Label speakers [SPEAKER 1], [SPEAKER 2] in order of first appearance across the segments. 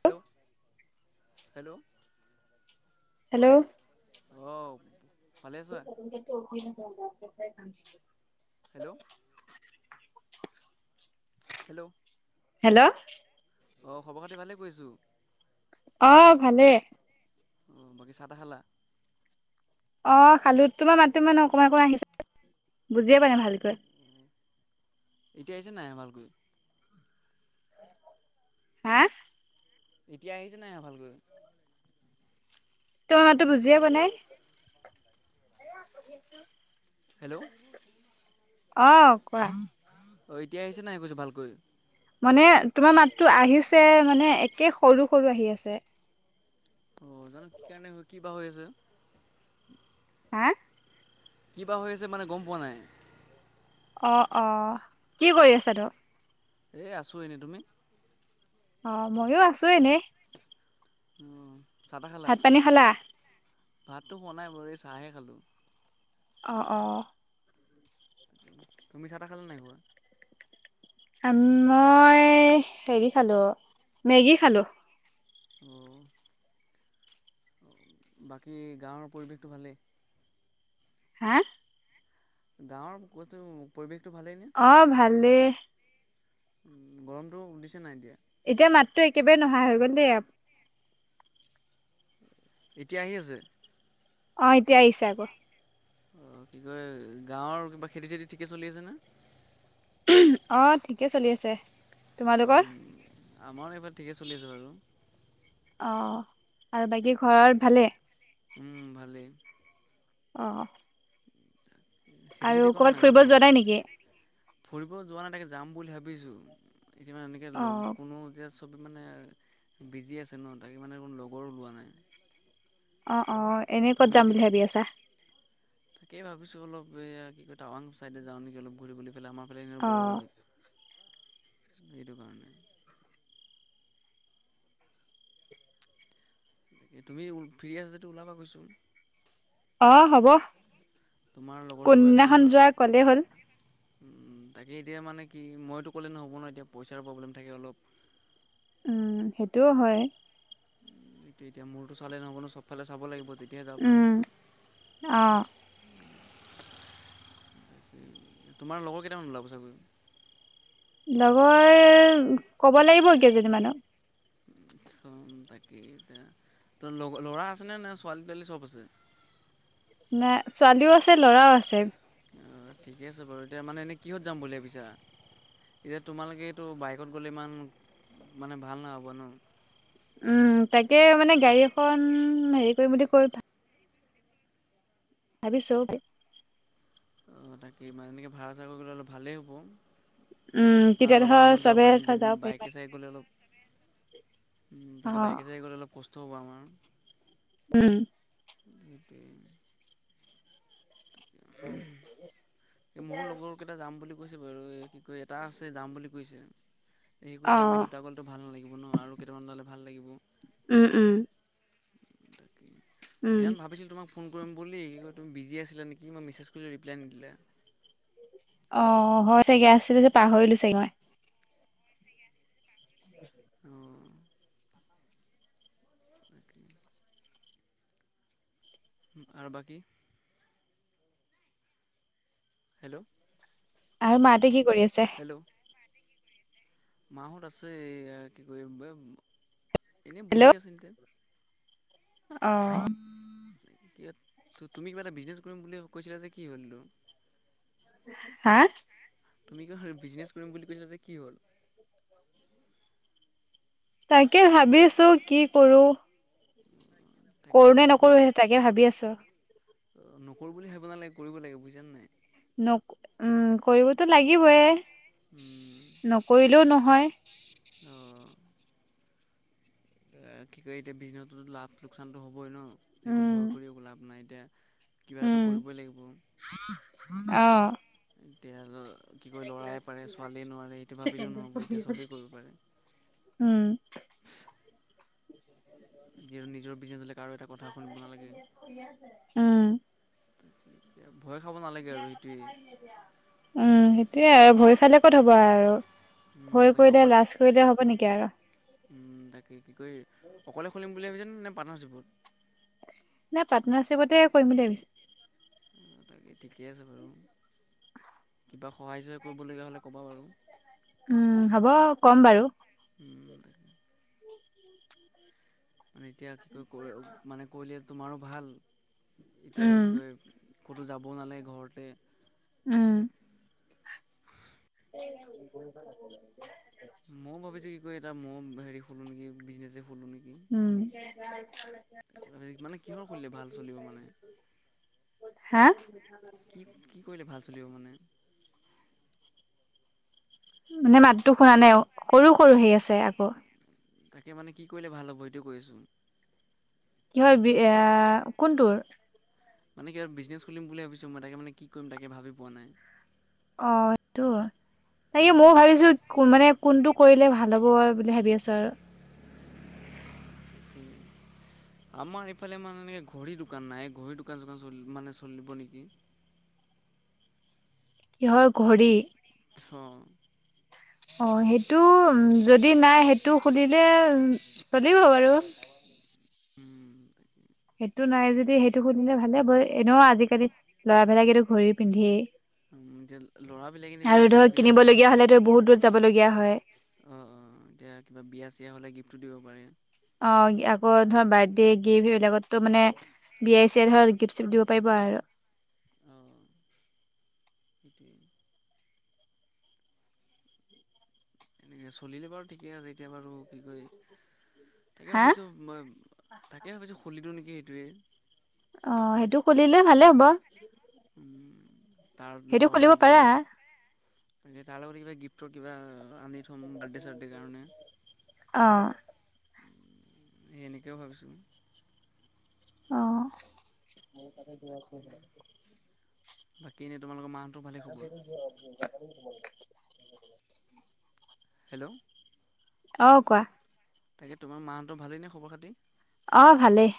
[SPEAKER 1] Hello, - hello,
[SPEAKER 2] hello
[SPEAKER 1] অঁ ভালে আছা
[SPEAKER 2] [unintelligible]
[SPEAKER 1] হেল্ল', হেল্লো।
[SPEAKER 2] হেল্ল'।
[SPEAKER 1] অহ খবৰ খাতি ভালে কৈছোঁ।
[SPEAKER 2] অহ ভালে।
[SPEAKER 1] অ' বাকী চাহ-টাহ খালা।
[SPEAKER 2] অহ খালোঁ তোমাৰ মাত মান অকণমান অকণমান আহি বুজিয়ে পোৱা নাই ভালকৈ।
[SPEAKER 1] এতিয়া আহিছে নাই ভালকৈ।
[SPEAKER 2] হা
[SPEAKER 1] এতিয়া আহিছে নাই অহা ভালকৈ।
[SPEAKER 2] তোৰ মাতটো বুজিয় পোৱা নাই।
[SPEAKER 1] হেল্লো।
[SPEAKER 2] অ' কোৱা।
[SPEAKER 1] অহ এতিয়া আহিছে নাই কৈছো ভালকৈ।
[SPEAKER 2] মানে তোমাৰ মাতটো আহিছে মানে একে সৰু সৰু আহি আছে।
[SPEAKER 1] অ' জানো কি কাৰণে কি বা হৈ আছে।
[SPEAKER 2] হা।
[SPEAKER 1] কিবা হৈ আছে মানে গম পোৱা নাই।
[SPEAKER 2] অহ অহ কি কৰি আছা তো।
[SPEAKER 1] এ আছো এনে তুমি।
[SPEAKER 2] অ' ময়ো আছো এনে।
[SPEAKER 1] অহ।
[SPEAKER 2] ভাত পানী খালা।
[SPEAKER 1] ভাতটো খোৱা নাই বাৰু এই চাহে খালো।
[SPEAKER 2] অ অ।
[SPEAKER 1] তুমি চাহ তাহ খালা নাই খোৱা?
[SPEAKER 2] আ মই হেৰি খালো মেগী খালো।
[SPEAKER 1] অ। বাকী গাঁৱৰ পৰিৱেশটো ভালেই?
[SPEAKER 2] হা?
[SPEAKER 1] গাঁৱৰ কুটো পৰিৱেশ
[SPEAKER 2] অ ভালেই।
[SPEAKER 1] উ গৰমতটো উলিছে নাই এতিয়া।
[SPEAKER 2] এতিয়া মাতটো একেবাৰে ন'হা হৈ গ'ল দেই।
[SPEAKER 1] এতিয়া আহি আছে?
[SPEAKER 2] অ' এতিয়া আহিছে আকৌ।
[SPEAKER 1] অ কি কয় গাঁৱৰ কিবা খেতি-চেতি ঠিকে চলি আছেনে?
[SPEAKER 2] অ ঠিকে চলি আছে, তোমালোকৰ?
[SPEAKER 1] আমাৰ এইবাৰ ঠিকে চলি আছ বাৰু।
[SPEAKER 2] অ আৰু বাকী ঘৰৰ ভালে?
[SPEAKER 1] উম ভালেই।
[SPEAKER 2] অহ।
[SPEAKER 1] খেতি চেতি কৰা নাই বাৰু
[SPEAKER 2] যোৱা
[SPEAKER 1] তোমালোকে?
[SPEAKER 2] নাই নেকি
[SPEAKER 1] ফুৰিব যোৱা নাই তাকে যাম বুলি ভাবি আছোঁ। এতিয়া মানে এনেকে
[SPEAKER 2] অ
[SPEAKER 1] লগ কোনো যে। চবে মানে বিজি আছে ন তাকে মানে কোনো লগৰ ওলোৱা নাই।
[SPEAKER 2] অ অ এনে ক'ত
[SPEAKER 1] তুমি
[SPEAKER 2] যাম
[SPEAKER 1] যদি
[SPEAKER 2] বুলি ভাবি আছা?
[SPEAKER 1] তাকেই ভাবিছোঁ অলপ এইয়া কি কয় টাৱাং চাইডে যাওঁ নেকি অলপ ঘূৰি বুলি পেলাই আমাৰ ফালে এনে
[SPEAKER 2] অ
[SPEAKER 1] গৰমেই সেইটো কাৰণে। তুমি ফ্ৰী আছা যদি ওলাবা কৈচোন।
[SPEAKER 2] অ হব,
[SPEAKER 1] লগৰ চগৰ যদি
[SPEAKER 2] কোনদিনাখন
[SPEAKER 1] ওলোৱা।
[SPEAKER 2] যোৱা কলেই হ'ল।
[SPEAKER 1] তাকে এতিয়া মানে কি মইতো ক'লে নহ'ব ন, এতিয়া পইচাৰ প্ৰব্লেম থাকে অলপ।
[SPEAKER 2] উম সেইটোও হয়
[SPEAKER 1] এইটো এতিয়া মোৰতো চালে নহব ন চব ফালে চাব লাগিব। তেতিয়াহে যাব পাৰিম
[SPEAKER 2] উম অ
[SPEAKER 1] তোমাৰ লগৰ কেইটামান ওলাব চাগে
[SPEAKER 2] লগৰ কব লাগিব কেইজনীমানক
[SPEAKER 1] তাকে এতিয়া ত ল'ৰা আছেনে নে ছোৱালী তোৱালী চব আছে?
[SPEAKER 2] নে ছোৱালীও আছে ল'ৰাও আছে
[SPEAKER 1] অঁ ঠিকে আছে বাৰু এতিয়া মানে এনেই কিহত যাম বুলি ভাবিছা? এতিয়া তোমালোকেটো বাইকত গ'লে ইমান মানে ভাল নহ'ব ন
[SPEAKER 2] উম তাকে মানে গাড়ী এখন হেৰি কৰিম বুলি কৈবা ভাবিছো
[SPEAKER 1] অ তাকে ইমান এনেকে ভাড়া চাড়া কৰি গলে অলপ ভালেই হ'ব
[SPEAKER 2] উম
[SPEAKER 1] আৰু
[SPEAKER 2] তেতিয়া
[SPEAKER 1] অলপ
[SPEAKER 2] ধৰ
[SPEAKER 1] আৰামত যাব
[SPEAKER 2] চবেই
[SPEAKER 1] পাৰিম
[SPEAKER 2] ধৰ যাব পাৰিবাই
[SPEAKER 1] উম তাকে বাইকে চাইকে গ'লে অলপ কষ্ট হ'ব আমাৰ
[SPEAKER 2] উম
[SPEAKER 1] সেইটোৱে মোৰ লগৰ কেইটা যাম বুলি কৈছে বাৰু এ কি কয় এটা আছে যাম বুলি কৈছে সি কৈছে আমি
[SPEAKER 2] অ
[SPEAKER 1] দুটা গলেটো ভাল নালাগিব ন আৰু কেইটামান ওলালে ভাল লাগিব
[SPEAKER 2] উম উম উম
[SPEAKER 1] সেয়ান ভাবিছিলো তোমাক ফোন কৰিম বুলি কি কয় তুমি বিজি আছিলা নিক কি মই মেছেজ কৰিলোঁ ৰিপ্লাই নিদিলা
[SPEAKER 2] অ হয় চাগে আছিল যে পাহৰিলো চাগে মই
[SPEAKER 1] অ আৰু বাকী হেল্ল'
[SPEAKER 2] আৰু মা হতে কি কৰি আছে?
[SPEAKER 1] মা হত আছে এ কি ক এনে
[SPEAKER 2] হেল্ল'
[SPEAKER 1] বহি আছে
[SPEAKER 2] অ
[SPEAKER 1] কিবা তুমি কিবা এটা বিজনেছ কৰিম বুলি কৈছিলা যে কি হল নু
[SPEAKER 2] হা
[SPEAKER 1] তুমি কিয় বিজনেচ কৰিম বুলি কৈছিলা যে কি হ'ল
[SPEAKER 2] তাকে ভাবি আছো কি কৰো
[SPEAKER 1] তাকে
[SPEAKER 2] কৰোঁ নে নকৰোঁ সে তাকে ভাবি আছো
[SPEAKER 1] অ নকৰোঁ বুলি ভাবিব নালাগে কৰিব লাগে বুজিছানে নাই
[SPEAKER 2] নক উম কৰিবতো লাগিবয়ে নকৰিলেও নহ হয়
[SPEAKER 1] অহ এ কি কয় এতিয়া বিজনেছতো লাভ লোকচানতো হ'বই ন সেইটো
[SPEAKER 2] উম
[SPEAKER 1] ভয় কৰিও লাভ নাই এতিয়া কিবা এটাটো
[SPEAKER 2] উম
[SPEAKER 1] কৰিবই লাগিব
[SPEAKER 2] অ
[SPEAKER 1] এতিয়া কি কয় লৰাই পাৰে ছোৱালীয়ে নোৱাৰে সেইটো ভাবিলেও নহ'ব এতিয়া চবেই কৰিব পাৰে
[SPEAKER 2] উম
[SPEAKER 1] যিহেতু নিজৰ বিজনেছ হলে কাৰো এটা কথা শুনিব নালাগে
[SPEAKER 2] উম [inaudible]
[SPEAKER 1] এতিয়া ভয় খাব নালাগে আৰু সেইটোৱেই
[SPEAKER 2] উম, সেইটোৱে
[SPEAKER 1] তাকে
[SPEAKER 2] আৰু ভয় খালে ক'ত হ'ব আৰু। ভয় কৰিলে লাজ কৰিলে হ'ব নেকি আৰু।
[SPEAKER 1] উম তাকে [unintelligible] অকলে খুলিম বুলি ভাবিছেনে নে পাৰ্টনাৰশ্বিপত?
[SPEAKER 2] নাই পাৰ্টনাৰশ্বিপতে কৰিম বুলি ভাবিছো
[SPEAKER 1] তাকে ঠিকে আছে বাৰু, কিবা সহায় চহায় কৰিবলগীয়া হ'লে ক'বা বাৰু।
[SPEAKER 2] উম হ'ব কম বাৰু।
[SPEAKER 1] তাকে মানে এতিয়া কি কয় [unintelligible] মানে কৰিলে তোমাৰো ভাল, এতিয়া কি
[SPEAKER 2] উম
[SPEAKER 1] কয় ক'তো যাব নালাগে ঘৰতে।
[SPEAKER 2] উম, [unintelligible]
[SPEAKER 1] মই হেৰি খোলোঁ নেকি বিজনেচে
[SPEAKER 2] উম।
[SPEAKER 1] [unintelligible] মানে কিহৰ খুলিলে ভাল চলিব মানে?
[SPEAKER 2] হা
[SPEAKER 1] কি কি কৰিলে ভাল চলিব মানে?
[SPEAKER 2] মানে মাতটো শুনা নাই আৰু, [unintelligible] সেই আছে আকৌ।
[SPEAKER 1] তাকে মানে কি কৰিলে ভাল হ'ব সেইটোৱে কৈ আছোঁ।
[SPEAKER 2] কি হয় বি এ কোনটোৰ?
[SPEAKER 1] মানে কিবা বিজনেছ খুলিম বুলি ভাবিছোঁ মই তাকে মানে কি কৰিম তাকে ভাবি পোৱা নাই।
[SPEAKER 2] অ', সেইটো হয়, সেইয়ো মইয়ো ভাবিছোঁ মানে কোনটো কৰিলে ভাল হ'ব বুলি ভাবি আছো আৰু। [inaudible]
[SPEAKER 1] আমাৰ ইফালে মানে এনেকে ঘড়ী দোকান নাই ঘড়ী দোকান চোকান চল মানে চলিব নেকি।
[SPEAKER 2] [inaudible] কিহৰ ঘড়ী?
[SPEAKER 1] অ',
[SPEAKER 2] অ', সেইটো উম যদি নাই সেইটো খুলিলে, চলিব বাৰু। [inaudible] সেইটো নাই যদি সেইটো শুনিলে ভালে হব, এনেও আজিকালি লৰাবিলাকেটো ঘৰি পিন্ধেই।
[SPEAKER 1] উম, লৰাবলাকে নি
[SPEAKER 2] আৰু ধৰ
[SPEAKER 1] চবেই পিন্ধে লৰা
[SPEAKER 2] কিনিবলগীয়া
[SPEAKER 1] ছোৱালী।
[SPEAKER 2] হলেতো বহুত দূৰত যাবলগীয়া হয়
[SPEAKER 1] অ', অ', এতিয়া কিবা বিয়া চয়া হ'লে গিফ্টটো দিব পাৰে।
[SPEAKER 2] অ', আকৌ ধৰা বাৰ্থডে গিফ্ট সেইবিলাকতো মানে [unintelligible] হৈ গিফ্ট চিপট দিব পাৰিবা আৰু।
[SPEAKER 1] সেইটোৱে। এনেকে চলিলে বাৰু ঠিকে আছে এতিয়া বাৰু কি কয় তাকে
[SPEAKER 2] হা
[SPEAKER 1] ভাবিছোঁ, তাকে ভাবিছোঁ খুলি দিওঁ নেকি সেইটোৱে
[SPEAKER 2] অ সেইটো কৰিলে ভালে হ'ব।
[SPEAKER 1] উম, তাৰ
[SPEAKER 2] সেইটো খুলিব
[SPEAKER 1] লগতে
[SPEAKER 2] পাৰা
[SPEAKER 1] কি তাৰ লগত কিবা গিফ্টৰ কিবা আনি থ'ম বাৰ্থডে চাৰ্থডেৰ কাৰণে
[SPEAKER 2] আহ।
[SPEAKER 1] এনেকেও ভাবিছো।
[SPEAKER 2] অ'।
[SPEAKER 1] বাকী এনেই তোমালোকৰ মা
[SPEAKER 2] [unintelligible]
[SPEAKER 1] হেল্ল'।
[SPEAKER 2] অ কোৱা।
[SPEAKER 1] তাকে তোমাৰ মাহতৰ ভালেই নে খবৰ খাতি?
[SPEAKER 2] অ ভালেই।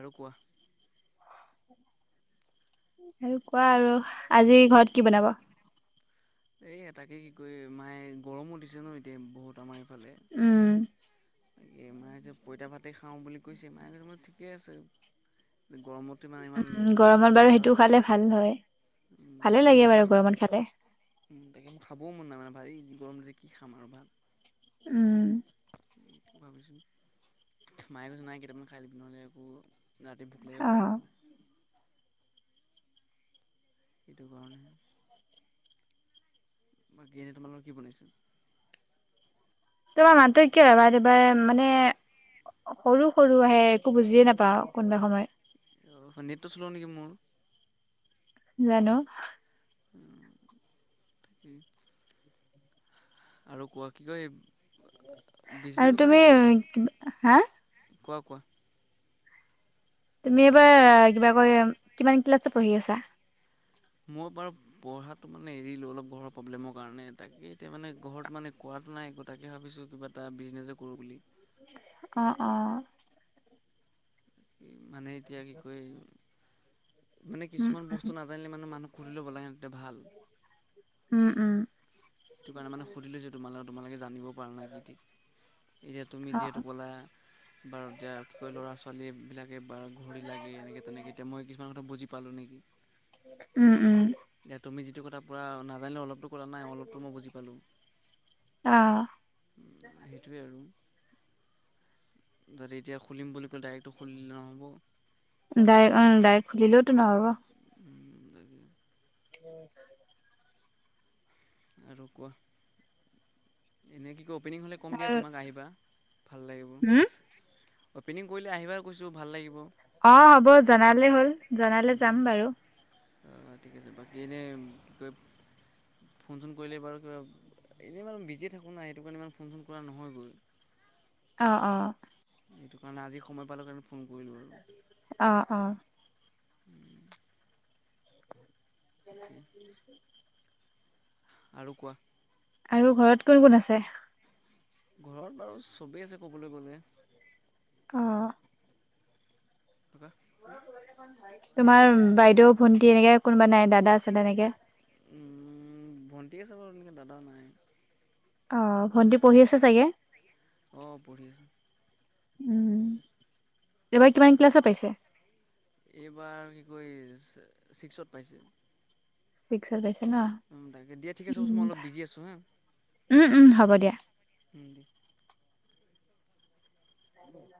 [SPEAKER 1] আৰু কোৱা।
[SPEAKER 2] আৰু কোৱা আৰু, আজি ঘৰত কি বনাব?
[SPEAKER 1] এই এটাকে কি কয় মায়ে গৰমো দিছে ন এতিয়া বহুত আমাৰ এইফালে।
[SPEAKER 2] উম
[SPEAKER 1] এই মে যে পইতা ভাতে খাওঁ বুলি কৈছে মাই কৈছে ঠিকে আছে গৰমত।
[SPEAKER 2] উ, গৰমত বাৰু সেইটোও খালে ভাল হয়।
[SPEAKER 1] তাক
[SPEAKER 2] ভালে
[SPEAKER 1] ইমান
[SPEAKER 2] লাগে
[SPEAKER 1] মছলা
[SPEAKER 2] বাৰু গৰমত খালে।
[SPEAKER 1] তাকে মোৰ খাবও মন নাই মানে ভাৰি গৰমটো যে কি খাম আৰু ভাত।
[SPEAKER 2] উম।
[SPEAKER 1] ভাবিছোঁ মায়ে কৈছে নাই কেইটামান খাই দিবি নহ'লে আকৌ ৰাতি ভোক লাগিব
[SPEAKER 2] অ
[SPEAKER 1] পাৰে ন। সেইটো কাৰণে। বাকী এনে তোমালোকৰ কি বনাইছে?
[SPEAKER 2] তোমাৰ মাতটো [unintelligible] মানে সৰু সৰু আহে, একো বুজিয়ে নাপাওঁ কোনোবা সময়।
[SPEAKER 1] নেটটো চল নেকি মোৰ?
[SPEAKER 2] জানো?
[SPEAKER 1] তাকেই। আৰু কোৱা কি কয়? বিজনেছ
[SPEAKER 2] আৰু
[SPEAKER 1] মানে
[SPEAKER 2] তুমি, হা?
[SPEAKER 1] কোৱা, কোৱা?
[SPEAKER 2] তুমি এবাৰ কিবা কয়? কিমান ক্লাছত পঢ়ি আছা?
[SPEAKER 1] মই বাৰু পঢ়াতটো মানে এৰিলো, অলপ ঘৰৰ প্ৰব্লেমৰ কাৰণে, তাকে এতিয়া মানে ঘৰত মানে কোৱা নাই তাকে ভাবিছো, কিবা এটা বিজনেচে কৰো বুলি।
[SPEAKER 2] অ, অ।
[SPEAKER 1] মানে এতিয়া কি কয়? মানে
[SPEAKER 2] উম
[SPEAKER 1] কিছুমান
[SPEAKER 2] উম
[SPEAKER 1] বস্তু নাজানিলে মানে মানুহ সুধি ল'ব লাগে, তেতিয়া ভাল।
[SPEAKER 2] উ'ম, উ'ম।
[SPEAKER 1] সেইটো কাৰণে মানে সুধিলো যে তোমালোকক, তোমালোকে জানিব পাৰা ন কি থিক? এতিয়া, তুমি
[SPEAKER 2] অ
[SPEAKER 1] যিহেতু ক'লা বা এতিয়া কি কয়? ল'ৰা- ছোৱালী বিলাকে বা ঘড়ী লাগে এনেকে- তেনেকে এতিয়া মই কিছুমান কথা বুজি পালো নেকি?
[SPEAKER 2] উ'ম, উ'ম।
[SPEAKER 1] সেইটো কথা পোৰা নাজানিলে, অলপতো ত মই বুজি পালোঁ,
[SPEAKER 2] অ'
[SPEAKER 1] সেইটোৱে আৰু। যদি এতিয়া খুলিম বুলি ক'লে ডাইৰেক্টটো খুলি দিলে নহ'ব
[SPEAKER 2] ডাই অ, ডাইক খুলিলেওতো নহব। উম।
[SPEAKER 1] আৰু কোৱা? এনেক কি অপেনিং হ'লে কম দিয়া
[SPEAKER 2] আৰু
[SPEAKER 1] তোমাক আহিবা ভাল লাগিব।
[SPEAKER 2] হম
[SPEAKER 1] অপেনিং কৰিলে আহিবা কৈছোঁ ভাল লাগিব।
[SPEAKER 2] অ হ'ব জনালে হ'ল জনালে যাম বাৰু
[SPEAKER 1] ঠিক আছে বাকী এনেই কি কয়। ছ, ফোন চোন কৰিলে বাৰু কিবা এনেই মমান বিজিয়ে থাকোঁ নাই সেইটো কাৰণে ইমান ফোন চোন কৰা নহয়গৈ।
[SPEAKER 2] অ অ,
[SPEAKER 1] মানে আজি সময় পালে কাৰণে ফোন কৰিলো আৰু
[SPEAKER 2] অ অ,
[SPEAKER 1] তাকে
[SPEAKER 2] [unintelligible]
[SPEAKER 1] আৰু কোৱা।
[SPEAKER 2] আৰু ঘৰত কোন কোন আছে।
[SPEAKER 1] ঘৰত বাৰু চবেই আছে ক'বলৈ গ'লে।
[SPEAKER 2] অঁ
[SPEAKER 1] ককা
[SPEAKER 2] তোমাৰ বাইদেউ ভন্টি এনেকে কোনোবা নাই দাদা চাদা এনেকে। [inaudible]
[SPEAKER 1] ঠিক আছে বাৰু এনেকে দাদা নাই।
[SPEAKER 2] অ ভন্টি পঢ়ি আছে চাগে।
[SPEAKER 1] অ পঢ়ি আছে।
[SPEAKER 2] উম এইবাৰ কিমান ক্লাছত পাইছে।
[SPEAKER 1] এইবাৰ কি কয় ছিক্সত পাইছে।
[SPEAKER 2] ছিক্সত পাইছে। ন
[SPEAKER 1] তাকে দিয়া ঠিক আছে
[SPEAKER 2] উম
[SPEAKER 1] মই অলপ বিজি আছোঁ হা
[SPEAKER 2] উম উম হ'ব দিয়া।
[SPEAKER 1] হিন্দী,
[SPEAKER 2] [unintelligible]